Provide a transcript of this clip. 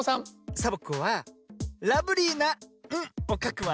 サボ子はラブリーな「ん」をかくわ。